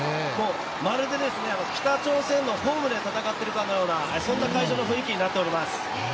まるで北朝鮮のホームで戦ってるかのような、そんな会場の雰囲気になっております。